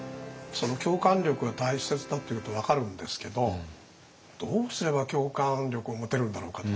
共感力が大切だっていうことは分かるんですけどどうすれば共感力を持てるんだろうかって。